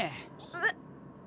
えっ！